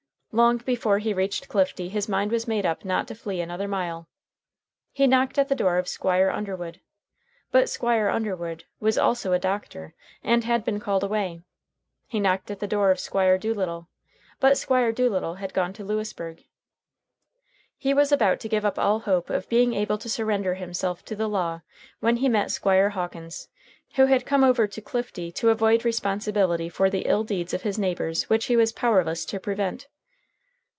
Long before he reached Clifty his mind was made up not to flee another mile. He knocked at the door of Squire Underwood. But Squire Underwood was also a doctor, and had been called away. He knocked at the door of Squire Doolittle. But Squire Doolittle had gone to Lewisburg. He was about to give up all hope of being able to surrender himself to the law when he met Squire Hawkins, who had come over to Clifty to avoid responsibility for the ill deeds of his neighbors which he was powerless to prevent.